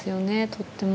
とっても。